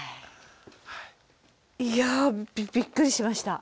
いやびっくりしました。